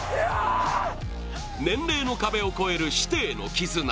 年齢の壁を越える師弟の絆。